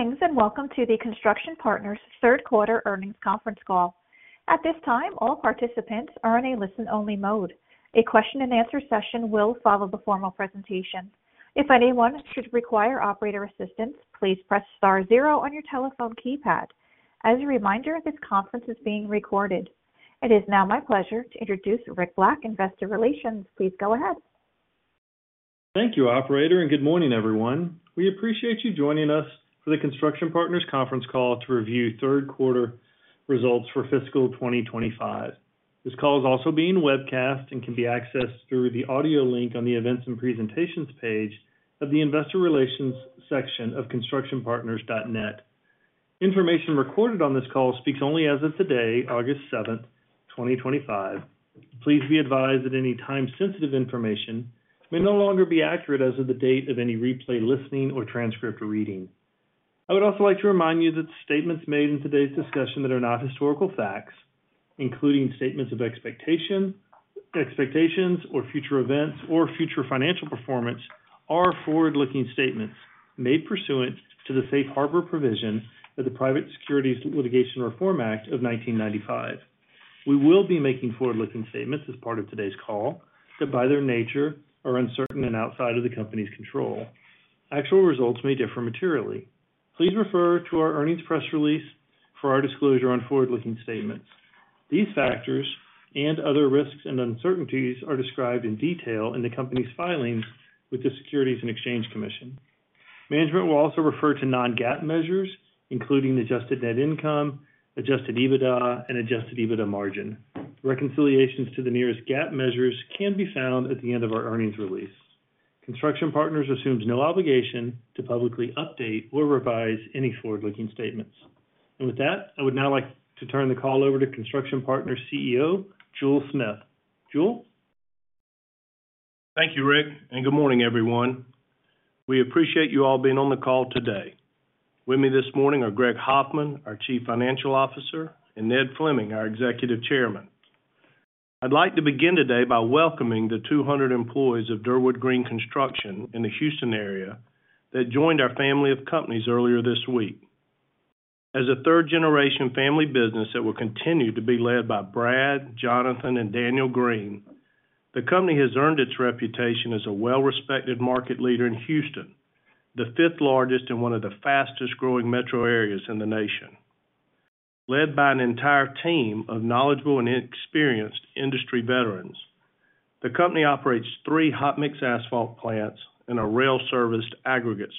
Greetings and welcome to the Construction Partners third quarter earnings conference call. At this time, all participants are in a listen-only mode. A question and answer session will follow the formal presentation. If anyone should require operator assistance, please press star zero on your telephone keypad. As a reminder, this conference is being recorded. It is now my pleasure to introduce Rick Black, Investor Relations. Please go ahead. Thank you, operator, and good morning, everyone. We appreciate you joining us for the Construction Partners conference call to review third quarter results for fiscal 2025. This call is also being webcast and can be accessed through the audio link on the Events and Presentations page of the Investor Relations section of constructionpartners.net. Information recorded on this call speaks only as of today, August 7, 2025. Please be advised that any time-sensitive information may no longer be accurate as of the date of any replay, listening, or transcript reading. I would also like to remind you that statements made in today's discussion that are not historical facts, including statements of expectation, expectations, or future events or future financial performance, are forward-looking statements made pursuant to the safe harbor provision of the Private Securities Litigation Reform Act of 1995. We will be making forward-looking statements as part of today's call that by their nature are uncertain and outside of the Company's control. Actual results may differ materially. Please refer to our earnings press release for our disclosure on forward-looking statements. These factors and other risks and uncertainties are described in detail in the Company's filings with the Securities and Exchange Commission. Management will also refer to non-GAAP measures, including adjusted net income, adjusted EBITDA, and adjusted EBITDA margin. Reconciliations to the nearest GAAP measures can be found at the end of our earnings release. Construction Partners Inc. assumes no obligation to publicly update or revise any forward-looking statements, and with that, I would now like to turn the call over to Construction Partners CEO Jule Smith. Jule, thank you Rick, and good morning everyone. We appreciate you all being on the call today. With me this morning are Greg Hoffman, our Chief Financial Officer, and Ned Fleming, our Executive Chairman. I'd like to begin today by welcoming the 200 employees Durwood Greene construction in the Houston area that joined our family of companies earlier this week. As a third generation family business that will continue to be led by Brad, Jonathan, and Daniel Greene, the company has earned its reputation as a well-respected market leader in Houston, the fifth largest and one of the fastest growing metro areas in the nation. Led by an entire team of knowledgeable and experienced industry veterans, the company operates three hot mix asphalt plants and a rail-serviced aggregates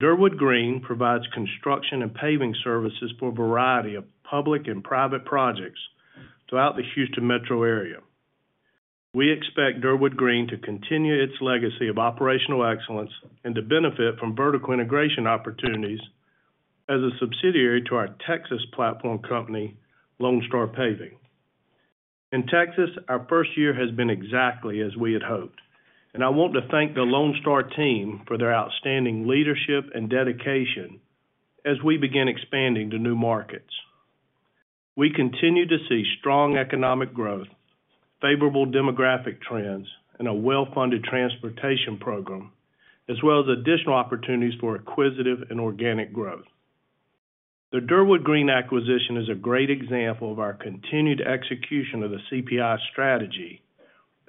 Durwood Greene provides construction and paving services for a variety of public and private projects throughout the Houston metro area. We expect Durwood Greene to continue its legacy of operational excellence and to benefit from vertical integration opportunities. As a subsidiary to our Texas platform company, Lone Star Paving, in Texas, our first year has been exactly as we had hoped, and I want to thank the Lone Star team for their outstanding leadership and dedication. As we begin expanding to new markets, we continue to see strong economic growth, favorable demographic trends, and a well-funded transportation program, as well as additional opportunities for acquisitive and organic growth. The Durwood Greene acquisition is a great example of our continued execution of the CPI strategy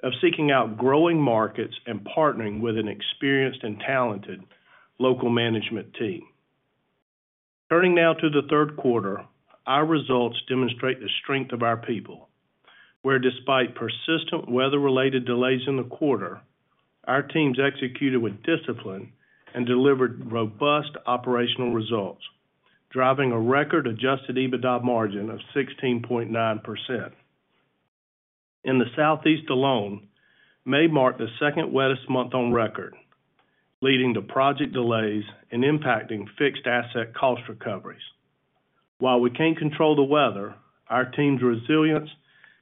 of seeking out growing markets and partnering with an experienced and talented local management team. Turning now to the third quarter, our results demonstrate the strength of our people, where despite persistent weather-related delays in the quarter, our teams executed with discipline and delivered robust operational results, driving a record adjusted EBITDA margin of 16.9% in the Southeast alone. May marked the second wettest month on record, leading to project delays and impacting fixed asset cost recoveries. While we can't control the weather, our team's resilience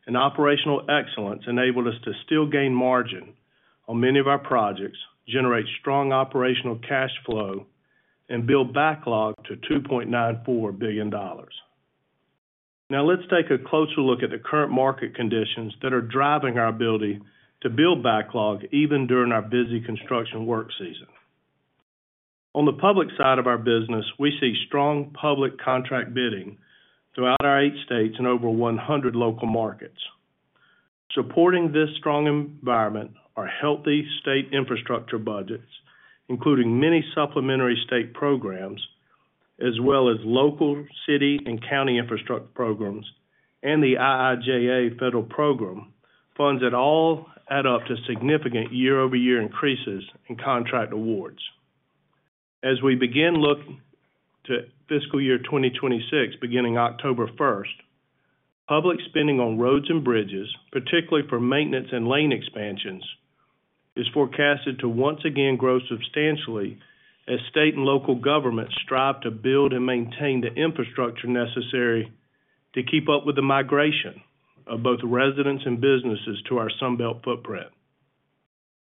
and operational excellence enabled us to still gain margin on many of our projects, generate strong operational cash flow, and build backlog to $2.94 billion. Now let's take a closer look at the current market conditions that are driving our ability to build backlog even during our busy construction work season. On the public side of our business, we see strong public contract bidding throughout our eight states and over 100 local markets. Supporting this strong environment are healthy state infrastructure budgets, including many supplementary state programs as well as local city and county infrastructure programs and the IIJA Federal program funds that all add up to significant year over year increases in contract awards as we begin looking to fiscal year 2026. Beginning October 1, public spending on roads and bridges, particularly for maintenance and lane expansions, is forecasted to once again grow substantially as state and local governments strive to build and maintain the infrastructure necessary to keep up with the migration of both residents and businesses to our Sunbelt footprint.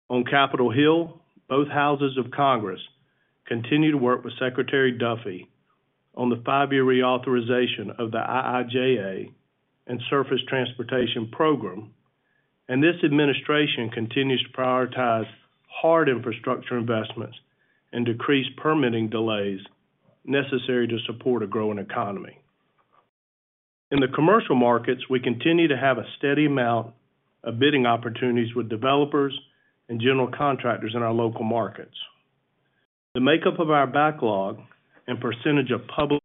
On Capitol Hill, both Houses of Congress continue to work with Secretary Duffy on the five year reauthorization of the IIJA and Surface Transportation Program, and this administration continues to prioritize hard infrastructure investments and decrease permitting delays necessary to support a growing economy. In the commercial markets, we continue to have a steady amount of bidding opportunities with developers and general contractors. In our local markets, the makeup of our backlog and percentage of public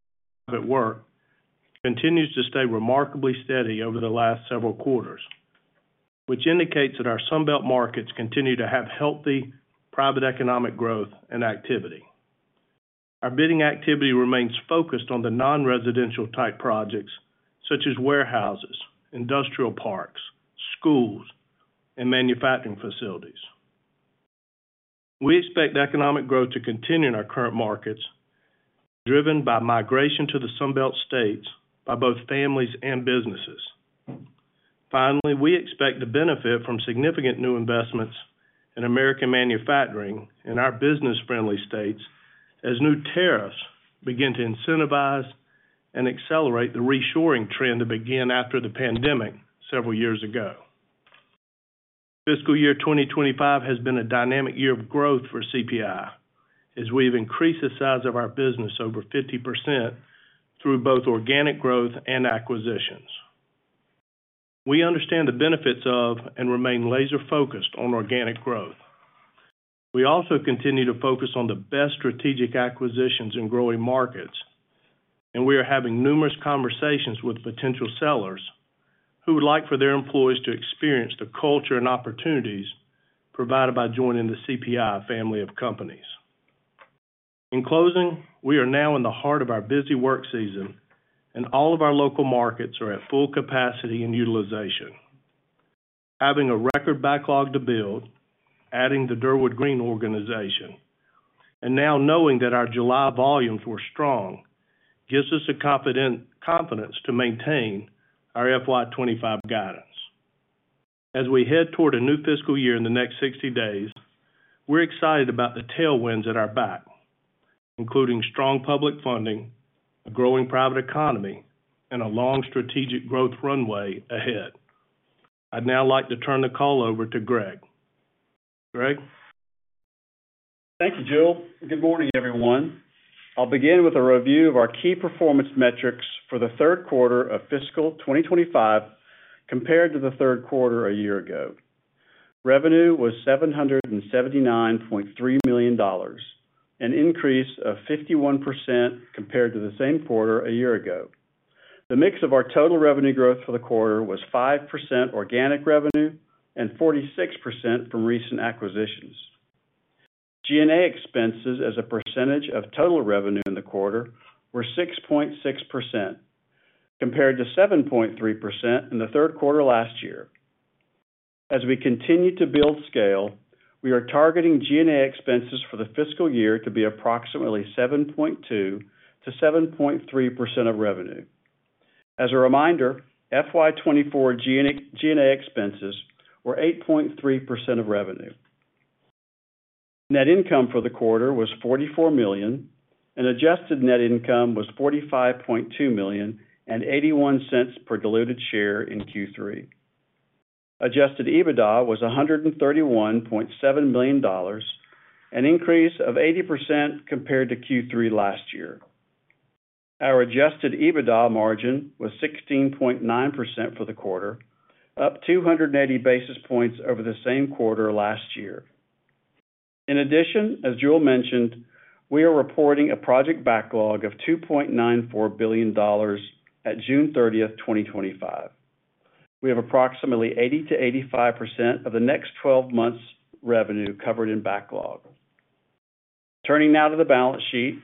work continues to stay remarkably steady over the last several quarters, which indicates that our Sunbelt markets continue to have healthy private economic growth and activity. Our bidding activity remains focused on the nonresidential type projects such as warehouses, industrial parks, schools, and manufacturing facilities. We expect economic growth to continue in our current markets driven by migration to the Sunbelt states by both families and businesses. Finally, we expect to benefit from significant new investments in American manufacturing in our business friendly states as new tariffs begin to incentivize and accelerate the reshoring trend that began after the pandemic several years ago. Fiscal year 2025 has been a dynamic year of growth for CPI as we have increased the size of our business over 50% through both organic growth and acquisitions. We understand the benefits of and remain laser focused on organic growth. We also continue to focus on the best strategic acquisitions in growing markets, and we are having numerous conversations with potential sellers who would like for their employees to experience the culture and opportunities provided by joining the CPI family of companies. In closing, we are now in the heart of our busy work season, and all of our local markets are at full capacity and utilization. Having a record backlog to build, adding Durwood Greene organization, and now knowing that our July volumes were strong gives us a confident confidence to maintain our FY 2025 guidance as we head toward a new fiscal year in the next 60 days. We're excited about the tailwinds at our back, including strong public funding, a growing private economy, and a long strategic growth runway ahead. I'd now like to turn the call over to Greg. Greg? Thank you Jule. Good morning everyone. I'll begin with a review of our key performance metrics for the third quarter of fiscal 2025 compared to the third quarter a year ago. Revenue was $779.3 million, an increase of 51% compared to the same quarter a year ago. The mix of our total revenue growth for the quarter was 5% organic revenue and 46% from recent acquisitions. G&A expenses as a percentage of total revenue in the quarter were 6.6% compared to 7.3% in the third quarter last year. As we continue to build scale, we are targeting G&A expenses for the fiscal year to be approximately 7.2%-7.3% of revenue. As a reminder, FY24 G&A expenses were 8.3% of revenue. Net income for the quarter was $44 million and adjusted net income was $45.2 million, $0.81 per diluted share in Q3. Adjusted EBITDA was $131.7 million, an increase of 80% compared to Q3 last year. Our adjusted EBITDA margin was 16.9% for the quarter, up two hundred eighty basis points over the same quarter last year. In addition, as Jule mentioned, we are reporting a project backlog of $2.94 billion at June 30, 2025. We have approximately 80%-85% of the next 12 months revenue covered in backlog. Turning now to the balance sheet,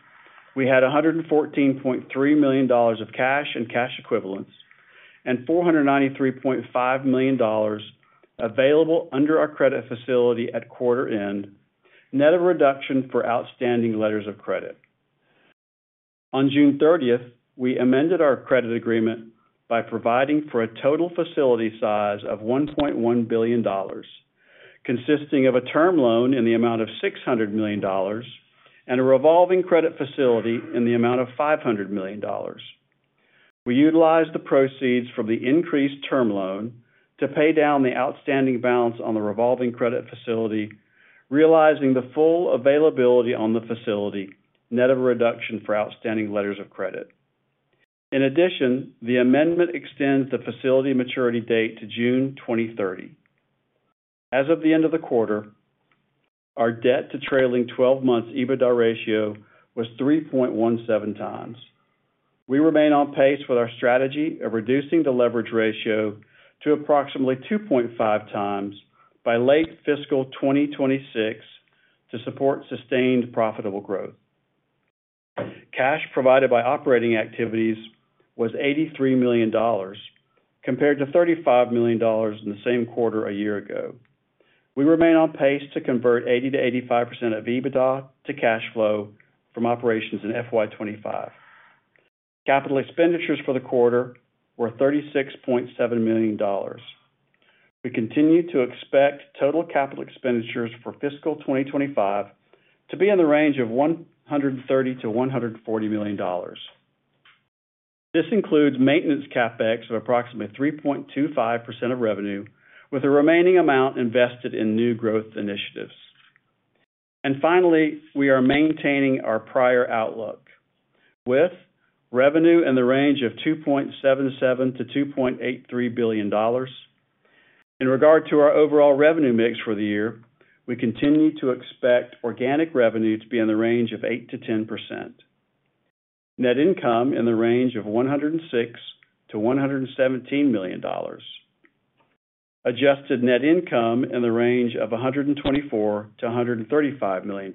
we had $114.3 million of cash and cash equivalents and $493.5 million available under our credit facility at quarter end, net of reduction for outstanding letters of credit. On June 30, we amended our credit agreement by providing for a total facility size of $1.1 billion consisting of a term loan in the amount of $600 million and a revolving credit facility in the amount of $500 million. We utilized the proceeds from the increased term loan to pay down the outstanding balance on the revolving credit facility, realizing the full availability on the facility net of a reduction for outstanding letters of credit. In addition, the amendment extends the facility maturity date to June 2030. As of the end of the quarter, our debt to trailing twelve months EBITDA ratio was 3.17x. We remain on pace with our strategy of reducing the leverage ratio to approximately 2.5x by late fiscal 2026 to support sustained profitable growth. Cash provided by operating activities was $83 million compared to $35 million in the same quarter a year ago. We remain on pace to convert 80%-85% of EBITDA to cash flow from operations in FY 2025. Capital expenditures for the quarter were $36.7 million. We continue to expect total capital expenditures for fiscal 2025 to be in the range of $130 million-$140 million. This includes maintenance CapEx of approximately 3.25% of revenue, with the remaining amount invested in new growth initiatives. Finally, we are maintaining our prior outlook with revenue in the range of $2.77 billion-$2.83 billion. In regard to our overall revenue mix for the year, we continue to expect organic revenue to be in the range of 8%-10%, net income in the range of $106 million-$117 million, adjusted net income in the range of $124 million-$135 million,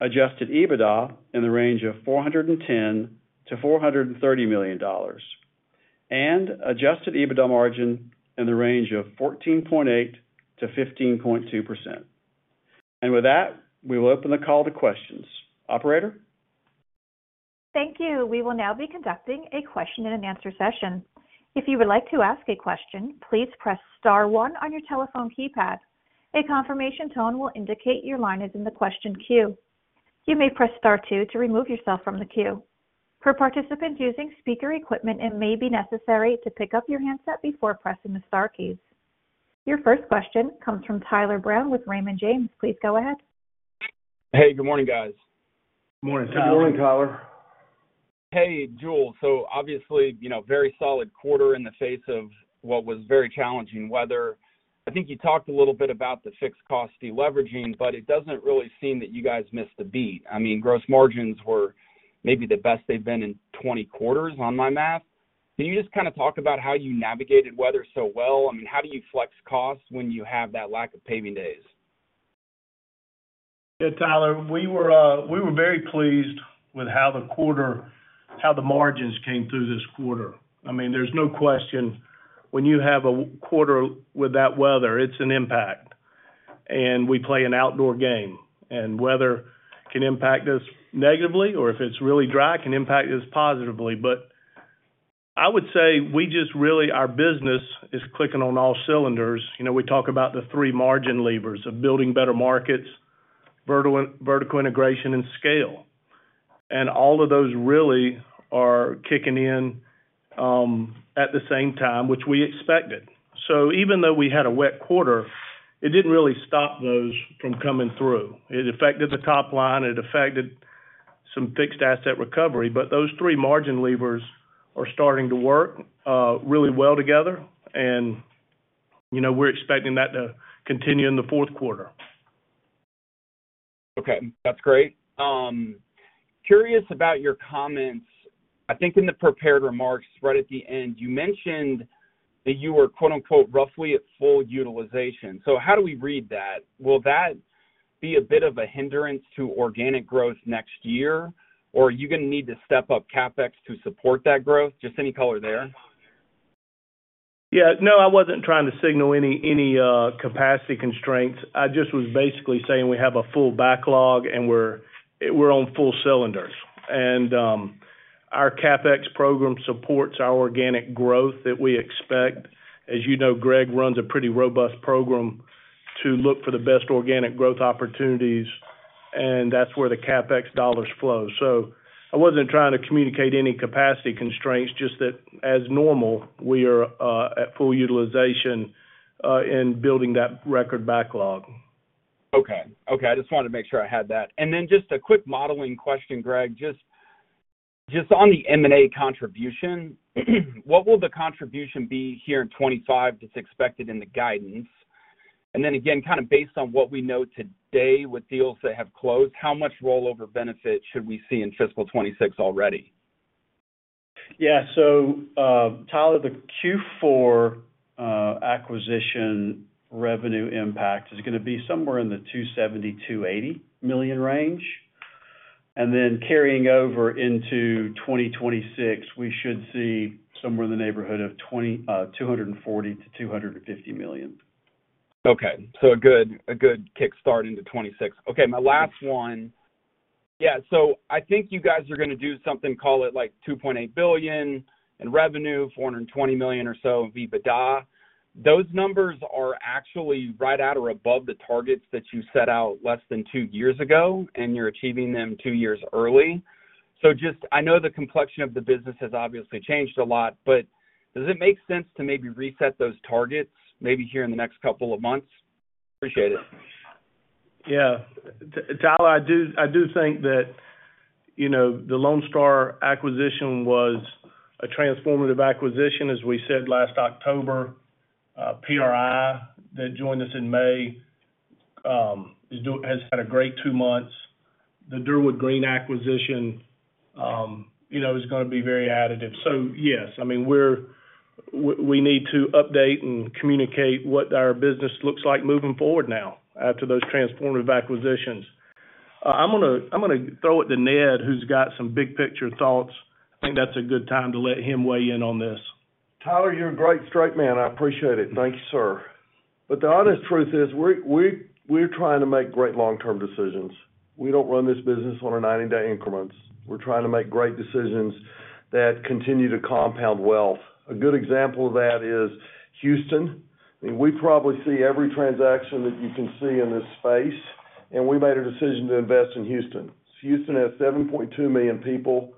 adjusted EBITDA in the range of $410 million-$430 million, and adjusted EBITDA margin in the range of 14.8%-15.2%. With that, we will open the call to questions. Operator. Thank you. We will now be conducting a question and answer session. If you would like to ask a question, please press star one on your telephone keypad. A confirmation tone will indicate your line is in the question queue. You may press star two to remove yourself from the queue. For participants using speaker equipment, it may be necessary to pick up your handset before pressing the star keys. Your first question comes from Tyler Brown with Raymond James. Please go ahead. Hey, good morning, guys. Morning, Tyler. Good morning, Tyler. Hey, Jule. Obviously, you know, very solid quarter in the face of what was very challenging weather. I think you talked a little bit about the fixed cost deleveraging, but it doesn't really seem that you guys missed the beat. I mean, gross margins were maybe the best they've been in 20 quarters on my math. Can you just kind of talk about how you navigated weather so well? I mean, how do you flex costs when you have that lack of paving days? Yeah, Tyler, we were very pleased with how the quarter, how the margins came through this quarter. I mean, there's no question when you have a quarter with that weather, it's an impact. We play an outdoor game and weather can impact us negatively or if it's really dry, can impact us positively. I would say we just really, our business is clicking on all cylinders. You know, we talk about the three margin levers of building better markets, vertical integration and scale. All of those really are kicking in at the same time, which we expected. Even though we had a wet quarter, it didn't really stop those from coming through. It affected the top line. It affected some fixed asset recovery. Those three margin levers are starting to work really well together and we, you know, we're expecting that to continue in the fourth quarter. Okay, that's great. Curious about your comments. I think in the prepared remarks right at the end, you mentioned that you were, quote, unquote, roughly at full utilization. How do we read that? Will that be a bit of a? Hindrance to organic growth next year, or are you going to need to step up CapEx to support that growth? Just any color there? Yeah, no, I wasn't trying to signal any capacity constraints. I just was basically saying we have a full backlog and we're on full cylinders, and our CapEx program supports our organic growth that we expect. As you know, Greg runs a pretty robust program to look for the best organic growth opportunities, and that's where the CapEx dollars flow. I wasn't trying to communicate any capacity constraints, just that as normal, we are at full utilization in building that record backlog. Okay. Okay. I just wanted to make sure I had that. Just a quick modeling question, Greg, on the M&A contribution, what will the contribution be here in 2025 that's expected in the guidance, and then again, kind of based on what we know today with deals that have closed, how much rollover benefit should we see in fiscal 2026 already? Yeah. Tyler, the Q4 acquisition revenue impact is going to be somewhere in the $270 million-$280 million range. Carrying over into 2026, we should see somewhere in the neighborhood of $240 million-$250 million. Okay, a good kickstart into 2026. Okay, my last one. Yeah. I think you guys are going to do something, call it like $2.8 billion in revenue, $420 million or so EBITDA. Those numbers are actually right at or above the targets that you set out less than two years ago, and you're achieving them two years early. So just. I know the complexion of the business has obviously changed a lot, but does it make sense to maybe reset those targets maybe here in the next couple of months? Appreciate it. Yeah. Tyler, I do think that, you know, the Lone Star acquisition was a transformative acquisition. As we said last October. PRI that joined us in May has had a great two months. The Durwood Greene acquisition, you know, is going to be very additive. Yes, I mean we're, we need to update and communicate what our business looks like moving forward. Now after those transformative acquisitions, I'm going to throw it to Ned who's got some big picture thoughts. I think that's a good time to let him weigh in on this. Tyler, you're a great straight man. I appreciate it. Thank you, sir. The honest truth is we're trying to make great long term decisions. We don't run this business on 90 day increments. We're trying to make great decisions that continue to compound wealth. A good example of that is Houston. We probably see every transaction that you can see in this space, and we made a decision to invest in Houston. Houston has 7.2 million people.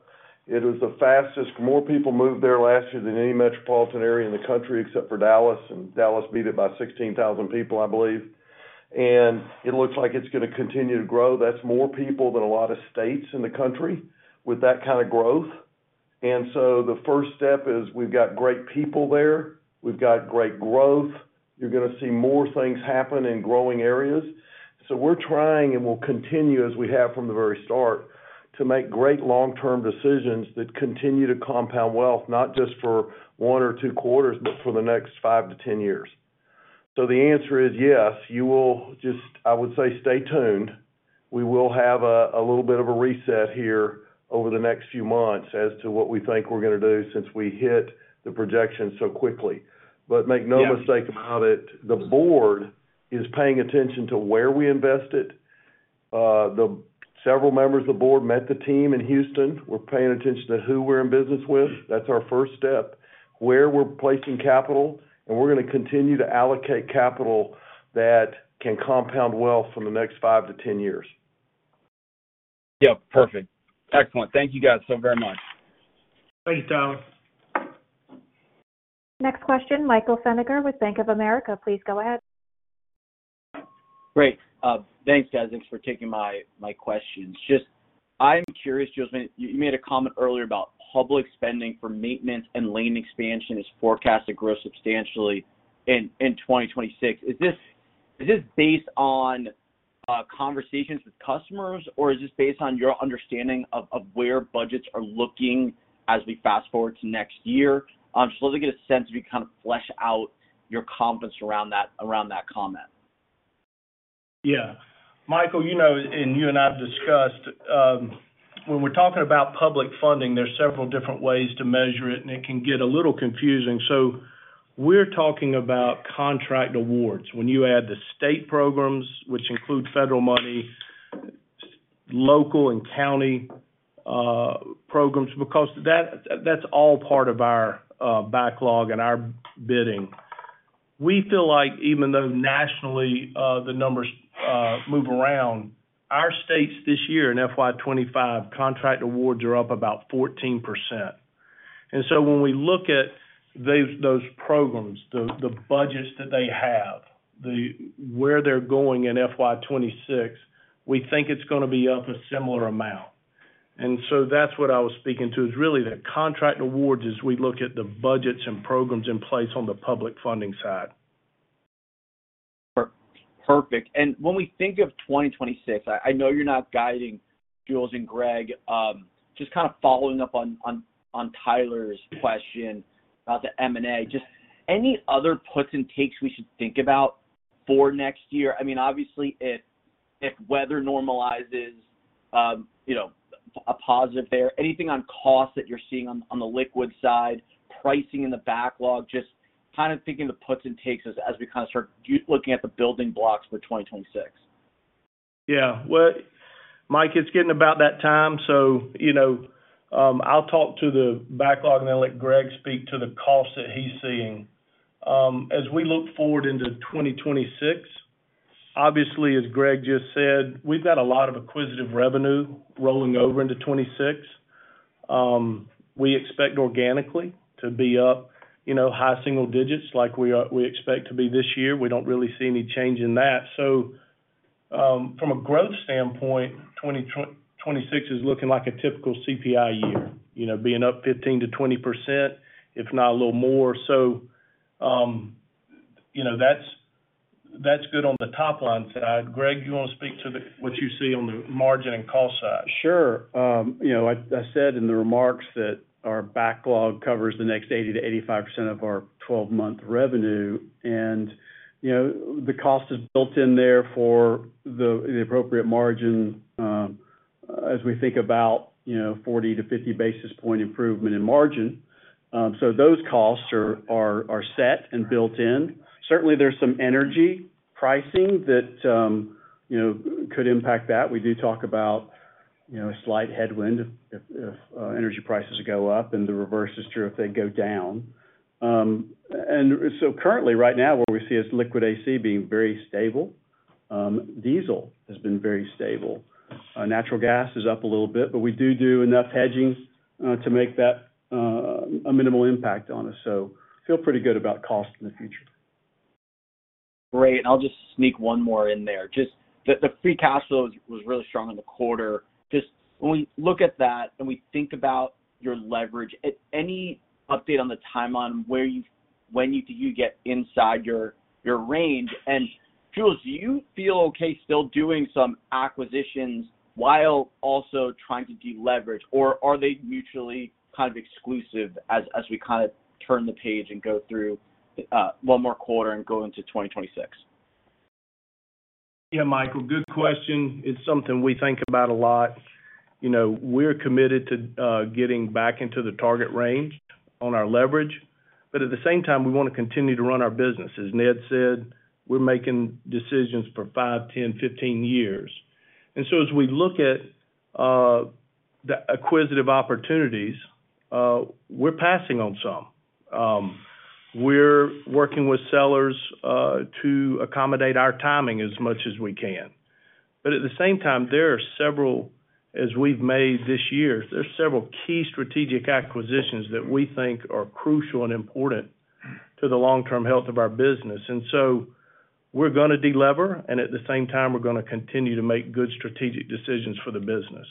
It was the fastest, more people moved there last year than any metropolitan area in the country except for Dallas. Dallas beat it by 16,000 people, I believe. It looks like it's going to continue to grow. That's more people than a lot of states in the country with that kind of growth. The first step is we've got great people there, we've got great growth. You're going to see more things happen in growing areas. We're trying, and we'll continue as we have from the very start, to make great long term decisions that continue to compound wealth, not just for one or two quarters, but for the next five to 10 years. The answer is yes, you will just, I would say stay tuned. We will have a little bit of a reset here over the next few months as to what we think we're going to do since we hit the projection so quickly. Make no mistake about it, the board is paying attention to where we invested. Several members of the board met the team in Houston. We're paying attention to who we're in business with. That's our first step, where we're placing capital, and we're going to continue to allocate capital that can compound wealth from the next five to 10 years. Yep, perfect. Excellent. Thank you guys so very much. Thank you, Darren. Next question. Michael Feniger with Bank of America, please go ahead. Great. Thanks for taking my questions. I'm curious, you made a comment earlier about public spending for maintenance and lane expansion is forecast to grow substantially in 2026. Is this based on conversations with customers or is this based on your understanding of where budgets are looking? As we fast forward to next year, just love to get a sense if you kind of flesh out your confidence around that comment. Yeah. Michael, you know, and you and I have discussed when we're talking about public funding, there's several different ways to measure it and it can get a little confusing. We're talking about contract awards when you add the state programs, which include federal money, local and county programs, because that's all part of our backlog and our bidding. We feel like even though nationally the numbers move around our states, this year in FY2025, contract awards are up about 14%. When we look at those programs, the budgets that they have, where they're going in FY2026, we think it's going to be up a similar amount. That's what I was speaking to is really that contract awards, as we look at the budgets and programs in place on the public funding side. Perfect. When we think of 2026, I know you're not guiding, Jule and Greg, just kind of following up on Tyler's question about the M&A, just any other puts and takes we should think about for next year? Obviously, if weather normalizes, you know, a positive there. Anything on cost that you're seeing on the liquid side pricing in the backlog? Just kind of thinking the puts and takes as we kind of start looking at the building blocks for 2026. Yeah, Mike, it's getting about that time, so I'll talk to the backlog and I'll let Greg speak to the cost that he's seeing as we look forward into 2026. Obviously, as Greg just said, we've got a lot of acquisitive revenue rolling over into 2026. We expect organically to be up high single digits like we expect to be this year. We don't really see any change in that. From a growth standpoint, 2026 is looking like a typical CPI year, being up 15%-20% if not a little more. That's good on the top line side. Greg, you want to speak to what you see on the margin and cost side? Sure. I said in the remarks that our backlog covers the next 80%-85% of our 12-month revenue, and the cost is built in there for the appropriate margin as we think about 40 basis points-50 basis point improvement in margin. Those costs are set and built in. Certainly, there's some energy pricing that could impact that. We do talk about a slight headwind if energy prices go up, and the reverse is true if they go down. Currently, right now what we see is liquid AC being very stable, diesel has been very stable, natural gas is up a little bit. We do enough hedging to make that a minimal impact on us. Feel pretty good about cost in the future. Great. I'll just sneak one more in there. The free cash flow was really strong in the quarter. When we look at that and we think about your leverage, any update on the timeline when you think you get inside your range? Jule, do you feel okay still doing some acquisitions while also trying to deleverage, or are they mutually kind of exclusive as we turn the page and go through one more quarter and go into 2026? Yeah, Michael, good question. It's something we think about a lot. We're committed to getting back into the target range on our leverage, but at the same time we want to continue to run our business. As Ned said, we're making decisions for five, 10, 15 years. As we look at the acquisitive opportunities, we're passing on some, we're working with sellers to accommodate our timing as much as we can. At the same time, there are several as we've made this year. There are several key strategic acquisitions that we think are crucial and important to the long term health of our business. We're going to delever and at the same time we're going to continue to make good strategic decisions for the business.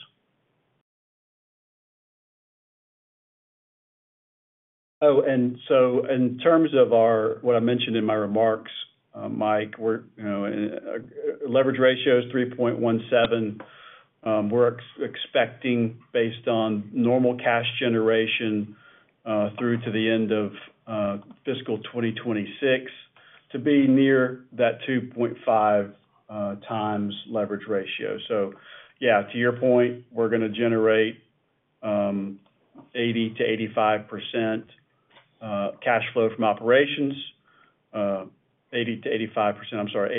In terms of what I mentioned in my remarks, Mike, our leverage ratio is 3.17. We're expecting, based on normal cash generation through to the end of fiscal 2026, to be near that 2.5x leverage ratio. To your point, we're going to generate 80%-85% cash flow from operations, 80%-85% of our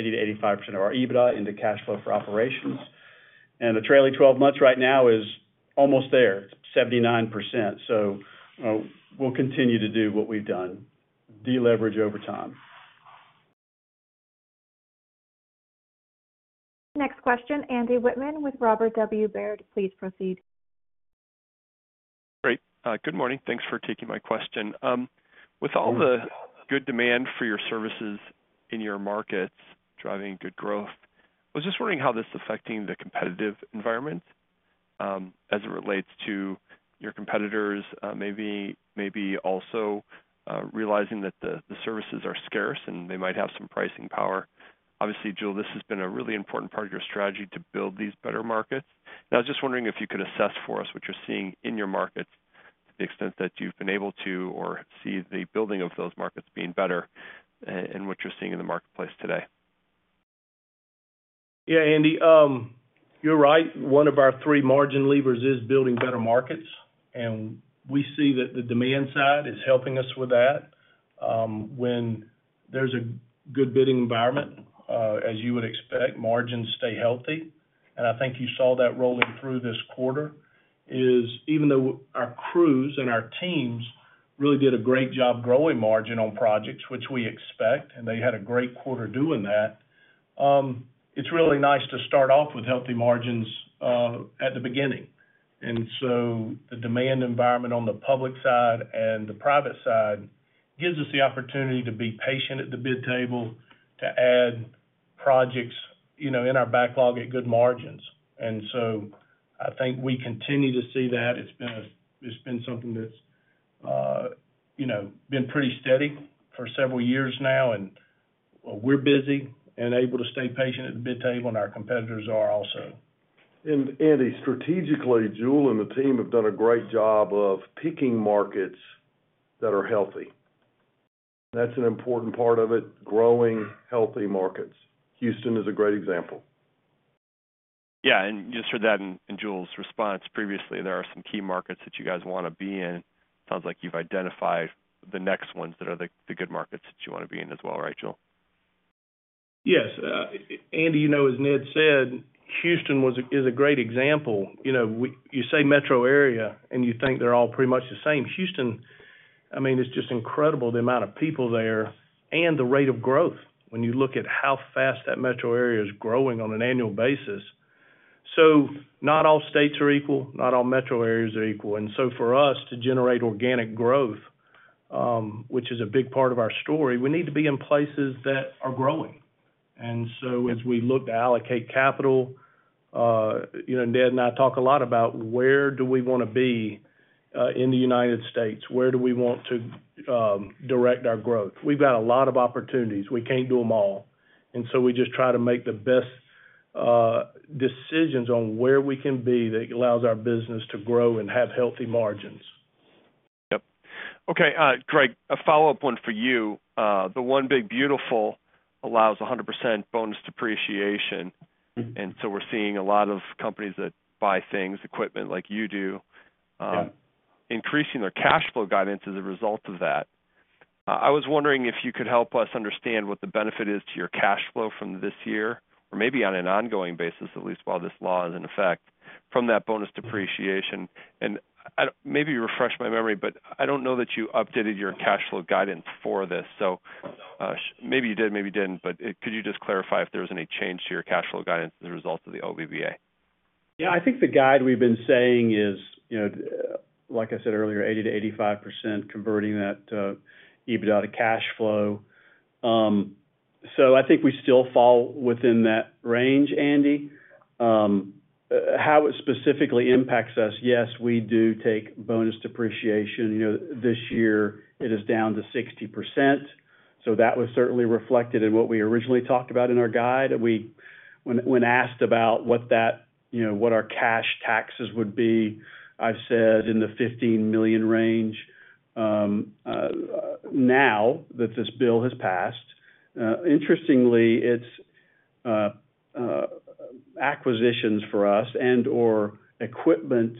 EBITDA into cash flow for operations. The trailing 12 months right now is almost there, 79%. We'll continue to do what we've done, deleverage over time. Next question. Andy Wittmann with Robert W. Baird, please proceed. Great. Good morning. Thanks for taking my question. With all the good demand for your services in your markets driving good growth, I was just wondering how this is affecting the competitive environment as it relates to your competitors maybe also realizing that the services are scarce and they might have some pricing power. Obviously, Jule, this has been a really important part of your strategy to build these better markets. I was just wondering if you could assess for us what you're seeing in your markets to the extent that you've been able to or see the building of those markets being better and what you're seeing in the marketplace today. Yeah, Andy, you're right. One of our three margin levers is building better markets. We see that the demand side is helping us with that. When there's a good bidding environment, as you would expect, margins stay healthy. I think you saw that rolling through this quarter, even though our crews and our teams really did a great job growing margin on projects, which we expect, and they had a great quarter doing that. It's really nice to start off with healthy margins at the beginning. The demand environment on the public side and the private side gives us the opportunity to be patient at the bid table, to add projects in our backlog at good margins. I think we continue to see that. It's been something that's been pretty steady for several years now, and we're busy and able to stay patient at the bid table. Our competitors are also. Andy, strategically, Jule and the team have done a great job of picking. Markets that are healthy. That's an important part of it. Growing healthy markets, Houston is a great example. Yeah. I just heard that in Jule's response previously. There are some key markets that you guys want to be in. It sounds like you've identified the next ones that are the good markets that you want to be in as well, right, Jule? Yes, Andy. As Ned said, Houston was a great example. You say metro area and you think they're all pretty much the same. Houston, I mean, it's just incredible the amount of people there and the rate of growth when you look at how fast that metro area is growing on an annual basis. Not all states are equal, not all metro areas are equal. For us to generate organic growth, which is a big part of our story, we need to be in. Places that are growing. As we look to allocate capital, you know, Ned and I talk a lot about where do we want to be in the United States, where do we want to direct our growth. We've got a lot of opportunities, we can't do them all. We just try to make the best decisions on where we can be that allows our business to grow and have healthy margins. Okay, Greg, a follow up one for you. The Infrastructure Investment and Jobs Act allows 100% bonus depreciation. We're seeing a lot of companies that buy things, equipment like you do, increasing their cash flow guidance. A result of that. I was wondering if you could help us understand what the benefit is to your cash flow from this year or maybe on an ongoing basis, at least while this law is in effect from that bonus depreciation. Maybe refresh my memory, but I don't know that you updated your cash flow guidance for this, so maybe you did, maybe you didn't. Could you just clarify if there was any change to your cash flow guidance as a result of the bonus depreciation? Yeah, I think the guide we've been saying is, you know, like I said earlier, 80%-85% converting that EBITDA to cash flow. I think we still fall within that range. Andy, how it specifically impacts us. Yes, we do take bonus depreciation. This year it is down to 60%. That was certainly reflected in what we originally talked about in our guide. When asked about what our cash taxes would be, I've said in the $15 million range now that this bill has passed. Interestingly, it's acquisitions for us and or equipment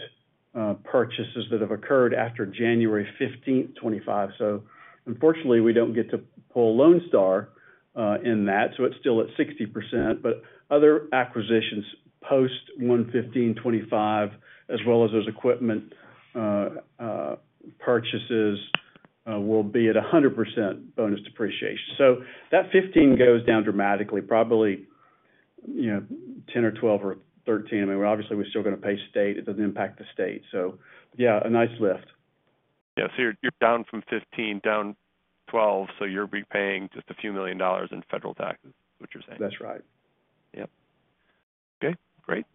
purchases that have occurred after 1-15-2025. Unfortunately, we don't get to pull Lone Star in that. It's still at 60%. Other acquisitions post 1-15-2025 as well as those equipment purchases will be at 100% bonus depreciation. That $15 million goes down dramatically. Probably, you know, $10 or $12 or $13 million. Obviously, we're still going to pay state. It doesn't impact the state. So. Yeah, a nice lift. Yeah. You're down from $15 million, down $12 million. You're repaying just a few million dollars in federal taxes, what you're saying? That's right. Okay, great.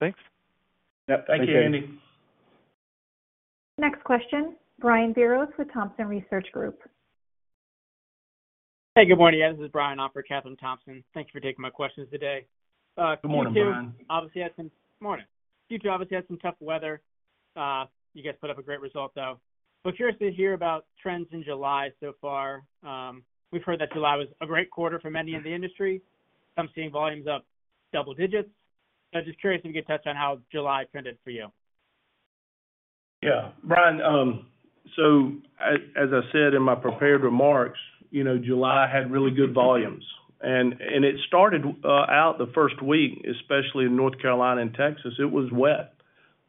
Thanks. Thank you Andy. Next question. Brian Biros with Thompson Research Group. Hey, good morning. This is Kathryn Thompson. Thank you for taking my questions today. Good morning, Brian. Obviously had some tough weather. You guys put up a great result though. Curious to hear about trends in July. So far we've heard that July was a great quarter for many in the industry. I'm seeing volumes up double digits. I'm just curious if you could touch on how July trended for you. Yeah, Brian. As I said in my prepared remarks, July had really good volumes and it started out the first week, especially in North Carolina and Texas, it was wet.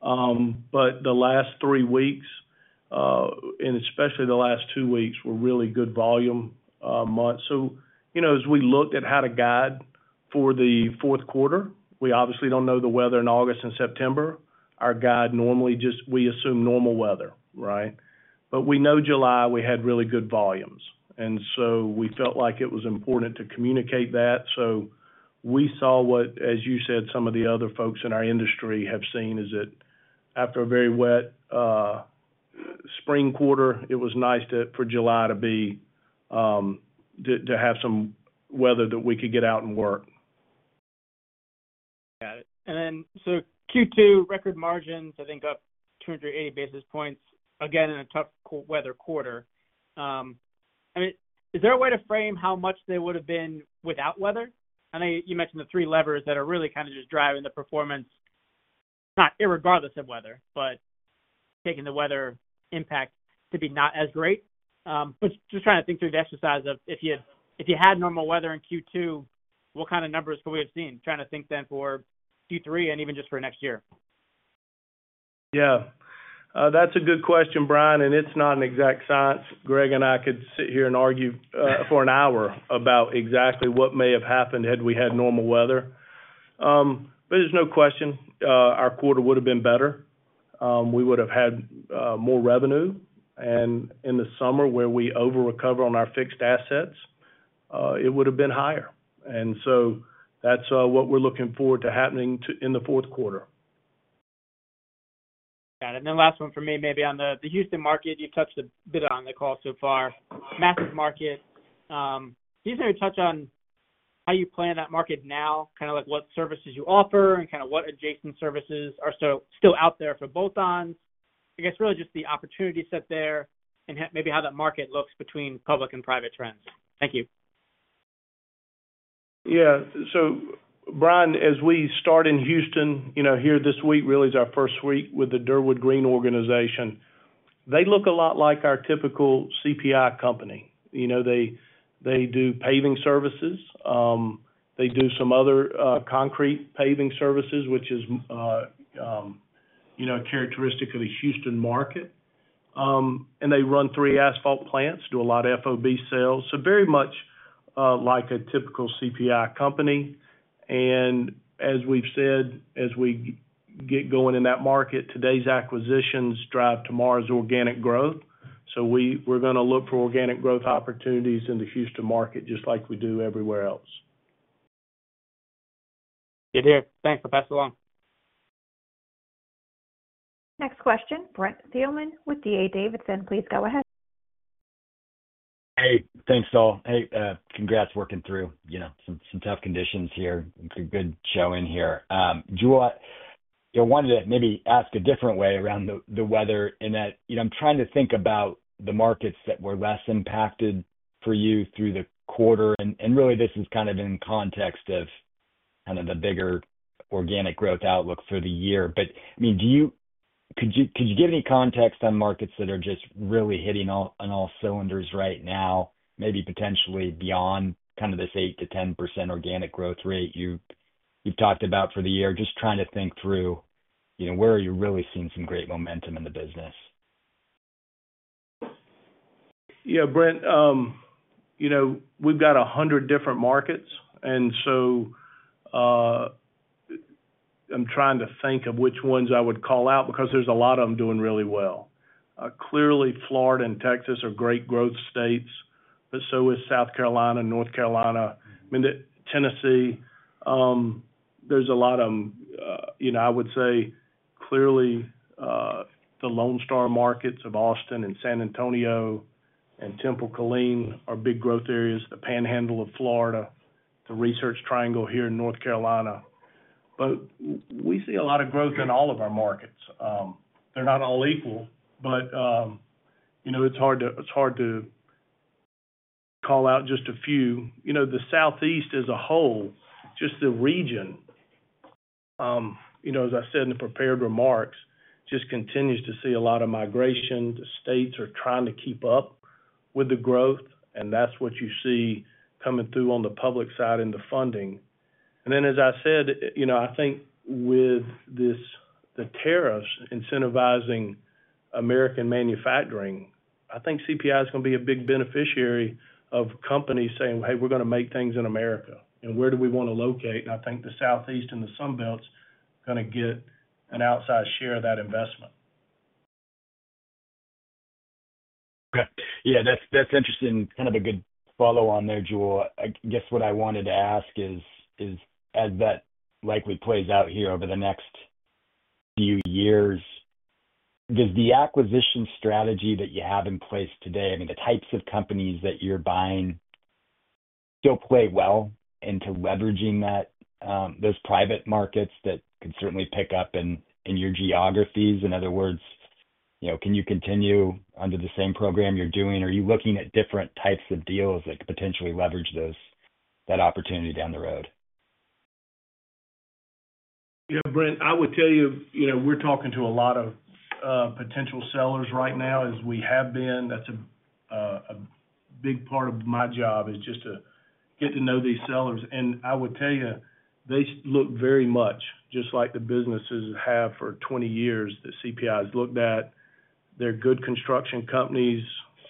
The last three weeks and especially the last two weeks were really good volume months. As we looked at how to guide for the fourth quarter, we obviously don't know the weather in August and September. Our guide normally just assumes normal weather, right. We know July we had really good volumes and we felt like it was important to communicate that. We saw what, as you said, some of the other folks in our industry have seen, which is that after a very wet spring quarter, it was nice for July to have some weather that we could get out and work. Got it. Q2 record margins, I think up 280 basis points again in a tough weather quarter. Is there a way to frame how much they would have been without weather? I know you mentioned the three levers that are really kind of just driving the performance, not regardless of weather, but taking the weather impact to be not as great. Just trying to think through the exercise of if you had normal weather in Q2, what kind of numbers could we have seen? Trying to think then for Q3 and even just for next year. Yeah, that's a good question, Brian. It's not an exact science. Greg and I could sit here and argue for an hour about exactly what may have happened had we had normal weather, but there's no question our quarter would have been better. We would have had more revenue, and in the summer where we over recover on our fixed assets, it would have been higher. That's what we're looking forward to happening in the fourth quarter. Got it. Last one for me, maybe on the Houston market you touched a bit on the call so far. Matthews Market, Houston. Touch on how you plan that market now. Kind of like what services you offer and kind of what adjacent services are still out there for bolt ons, I guess really just the opportunity set there and maybe how that market looks between public and private trends. Thank you. Yeah. Brian, as we start in Houston, you know this week really is our first week with Durwood Greene construction organization. They look a lot like our typical CPI company. You know, they do paving services, they do some other concrete paving services, which is characteristic of the Houston market. They run three asphalt plants, do a lot of FOB sales, so very much like a typical CPI company. As we've said, as we get going in that market, today's acquisitions drive tomorrow's organic growth. We're going to look for organic growth opportunities in the Houston market just like we do everywhere else. Good here. Thanks. I'll pass it along. Next question. Brent Thielman with D.A. Davidson, please. Go ahead. Hey, thanks Jule. Hey, congrats. Working through some tough conditions here. It's a good showing here. Jule, wanted to maybe ask a different way around the weather in that I'm trying to think about the markets that were less impacted for you through the quarter, and really this is kind of in context of the bigger organic growth outlook for the year. Do you, could you give any context on markets that are just really hitting on all cylinders right now, maybe potentially beyond this 8%-10% organic growth rate you've talked about for the year? Just trying to think through where are you really seeing some great momentum in the business? Yeah, Brent, you know we've got a hundred different markets and so I'm trying to think of which ones I would call out because there's a lot of them doing really well. Clearly Florida and Texas are great growth states, but so is South Carolina, North Carolina, Tennessee. There's a lot of, you know, I would say clearly the Lone Star markets of Austin and San Antonio and Temple Killeen are big growth areas. The Panhandle of Florida, the Research Triangle here in North Carolina. We see a lot of growth in all of our markets. They're not all lethal, but you know, it's hard to call out just a few. The Southeast as a whole, just the region, as I said in the prepared remarks, just continues to see a lot of migration. The states are trying to keep up with the growth and that's what you see coming through on the public side into funding. As I said, I think with this, the tariffs incentivizing American manufacturing, I think CPI is going to be a big beneficiary of companies saying, hey, we're going to make things in America and where do we want to locate? I think the Southeast and the Sunbelt's going to get an outsized share of that investment. Yeah, that's interesting. Kind of a good follow on there, Jule. I guess what I wanted to ask is, as that likely plays out here over the next few years, does the acquisition strategy that you have in place today, I mean the types of companies that you're buying, still play well into leveraging that? There's private markets that could certainly pick up in your geographies. In other words, can you continue under the same program you're doing? Are you looking at different types of deals that could potentially leverage that opportunity down the road? Yeah, Brent, I would tell you, you know, we're talking to a lot of potential sellers right now as we have been. That's a big part of my job is just to get to know these sellers. I would tell you they look very much just like the businesses have for 20 years that CPI has looked at. They're good construction companies.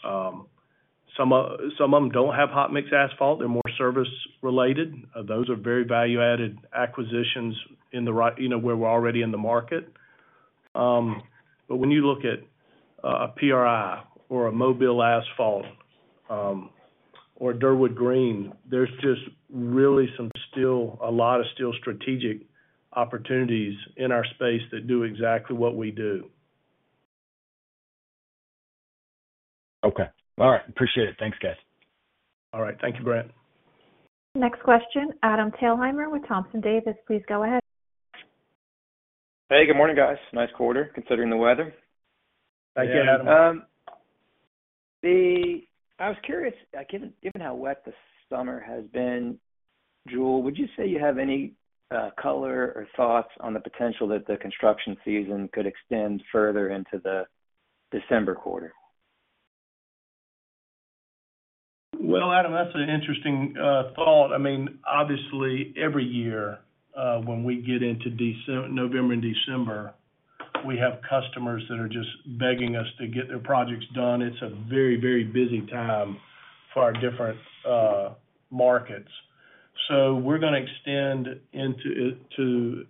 Some of them don't have hot mix asphalt. They're more service related. Those are very value added acquisitions in the right, you know, where we're already in the market. When you look at a PRI or a mobile asphalt Durwood Greene, there's just really still a lot of strategic opportunities in our space that do exactly what we do. Okay. All right, appreciate it. Thanks, guys. All right, thank you, Brent. Next question. Adam Thalhimer with Thompson Davis, please go ahead. Hey, good morning guys. Nice quarter considering the weather. Thank you, Adam. I was curious, given how wet the summer has been, Jule, would you say you have any color or thoughts on the potential that the construction season could extend further into the December quarter. Adam, that's an interesting thought. Obviously, every year when we get into November and December, we have customers that are just begging us to get their projects done. It's a very, very busy time for our different markets. We're going to extend into it to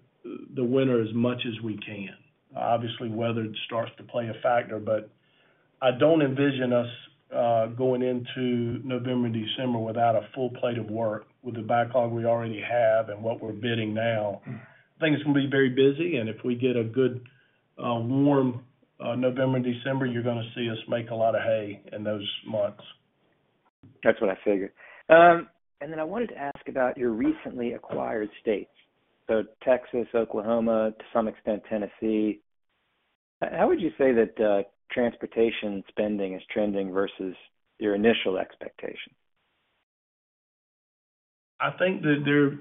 the winter as much as we can. Obviously, weather starts to play a factor, but I don't envision us going into November and December without a full plate of work. With the backlog we already have and what we're bidding now, things will be very busy. If we get a good warm November, December, you're going to see us make a lot of hay in those months. That's what I figured. I wanted to ask about your recently acquired states: Texas, Oklahoma, to some extent, Tennessee. How would you say that transportation spending is trending versus your initial expectation? I think that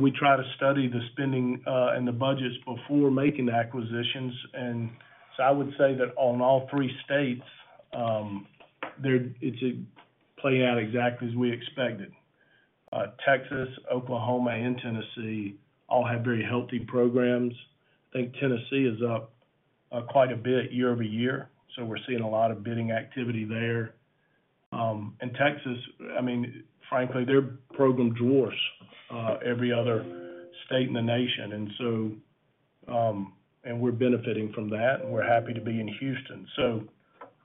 we try to study the spending and the budgets before making acquisitions. I would say that on all three states there, it's played out exactly as we expected. Texas, Oklahoma, and Tennessee all have very healthy programs. I think Tennessee is up quite a bit year over year. We're seeing a lot of bidding activity there. Texas, I mean, frankly, their program dwarfs every other state in the nation. We're benefiting from that and we're happy to be in Houston.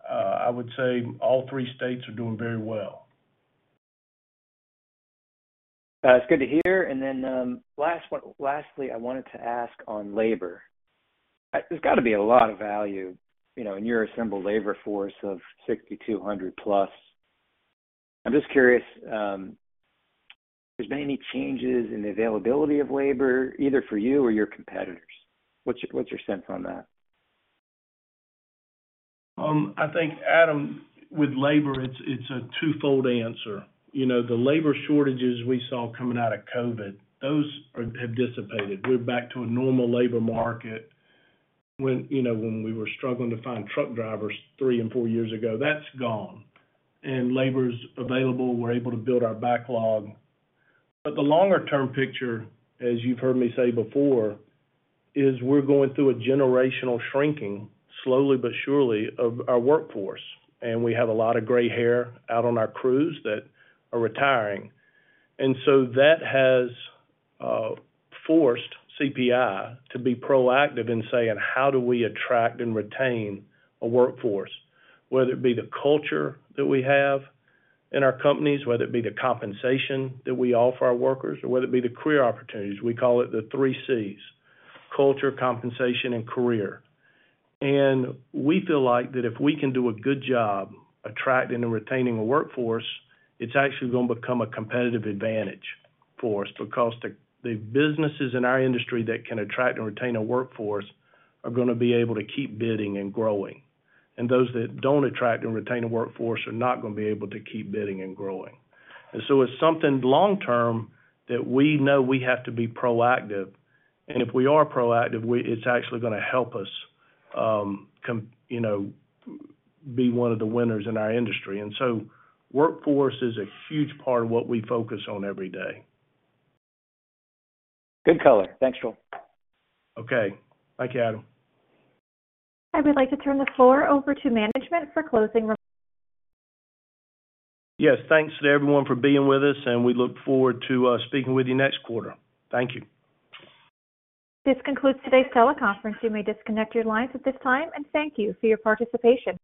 I would say all three states are doing very well. It's good to hear. Lastly, I wanted to ask on labor. There's got to be a lot of value, you know, in your assembled labor force of 6,200+. I'm just curious if there's been any changes in the availability of labor either for you or your competitors. What's your sense on that? I think, Adam, with labor, it's a twofold answer. You know, the labor shortages we saw coming out of COVID, those have dissipated. We're back to a normal labor market. When we were struggling to find truck drivers three and four years ago, that's gone, and labor's available. We're able to build our backlog. The longer term picture, as you've heard me say before, is we're going through a generational shrinking slowly but surely of our workforce. We have a lot of gray hair out on our crews that are retiring, and that has forced CPI to be proactive in saying how do we attract and retain a workforce, whether it be the culture that we have in our companies, whether it be the compensation that we offer our workers, or whether it be the career opportunities. We call it the three Cs: culture, compensation, and career. We feel like that if we can do a good job attracting and retaining a workforce, it's actually going to become a competitive advantage for us because the businesses in our industry that can attract and retain a workforce are going to be able to keep bidding and growing, and those that don't attract and retain a workforce are not going to be able to keep bidding and growing. It's something long term that we know we have to be proactive. If we are proactive, it's actually going to help us be one of the winners in our industry. Workforce is a huge part of what we focus on every day. Good color. Thanks, Jule. Okay, thank you, Adam. I would like to turn the floor over to management for closing remarks. Yes, thanks to everyone for being with us, and we look forward to speaking with you next quarter. Thank you. This concludes today's teleconference. You may disconnect your lines at this time. Thank you for your participation.